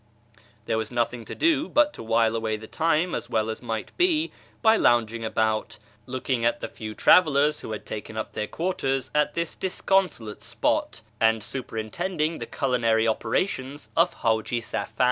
There was nothing to do but to wile away the time as well as might be by lounging about, looking at the few travellers who had taken up their quarters at this disconsolate spot, and superintending the culinary operations of Htiji Safar.